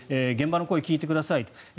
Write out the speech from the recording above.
現場の声を聞いてくださいと。